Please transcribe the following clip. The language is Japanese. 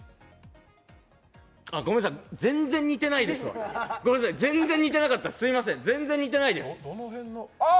ごめんなさい全然似てないですわごめんなさい全然似てなかったすいません全然似てないですどの辺があっ！